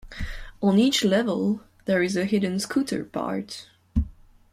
On each level there is a hidden "scooter" part.